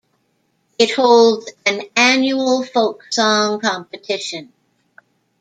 It holds an annual folk song competition.